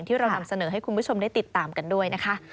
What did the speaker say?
ที่เรานำเสนอให้คุณผู้ชมได้ติดตามกันด้วยนะคะ